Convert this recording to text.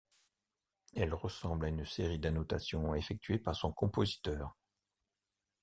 Elle ressemble à une série d'annotations effectuées par son compositeur.